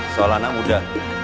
soal anak muda